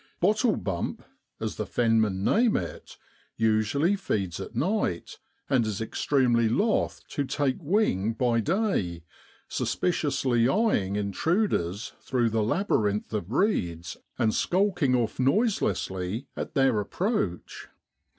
' Bottlebump,' as the fen men name it, usually feeds at night, and is extremely loth to take to wing by day, suspiciously eyeing intruders through the labyrinth of reeds, and skulking off noiselessly at their approach.